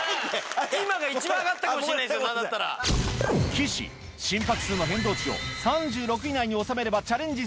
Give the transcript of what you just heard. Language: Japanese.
岸心拍数の変動値を３６以内に収めればチャレンジ